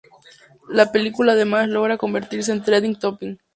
La película además logra convertirse en Trending Topic.